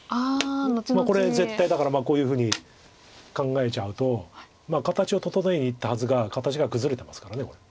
これ絶対だからこういうふうに考えちゃうと形を整えにいったはずが形が崩れてますからこれ。